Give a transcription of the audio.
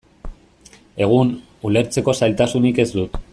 Egun, ulertzeko zailtasunik ez dut.